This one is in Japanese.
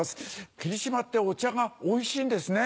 霧島ってお茶がおいしいんですね。